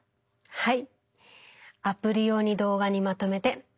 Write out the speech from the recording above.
はい！